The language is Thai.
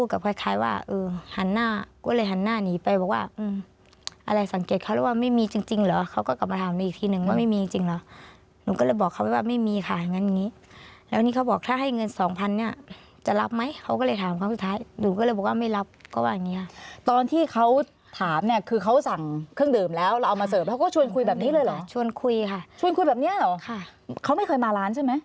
เขาก็กลับมาถามอีกทีหนึ่งว่าไม่มีจริงหรอหนูก็เลยบอกเขาว่าไม่มีค่ะอย่างนั้นอย่างนี้แล้วนี้เขาบอกถ้าให้เงินสองพันเนี่ยจะรับไหมเขาก็เลยถามคำสุดท้ายหนูก็เลยบอกว่าไม่รับก็ว่าอย่างนี้ค่ะตอนที่เขาถามเนี่ยคือเขาสั่งเครื่องเดิมแล้วเราเอามาเสิร์ฟเขาก็ชวนคุยแบบนี้เลยหรอชวนคุยค่ะชวนคุยแบบเนี่ยหรอ